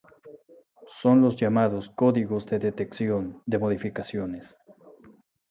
Son los llamadas códigos de detección de modificaciones.